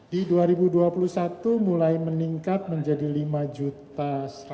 di dua ribu dua puluh satu mulai meningkat menjadi lima juta